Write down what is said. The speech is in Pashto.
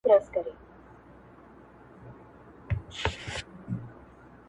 یو چرسي ورته زنګیږي یو بنګي غورځوي څوڼي!.